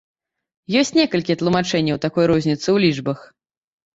Ёсць некалькі тлумачэнняў такой розніцы ў лічбах.